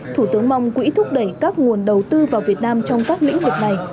thủ tướng mong quỹ thúc đẩy các nguồn đầu tư vào việt nam trong các lĩnh vực này